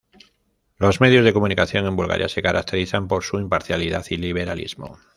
Los medios de comunicación en Bulgaria se caracterizan por su imparcialidad y liberalismo.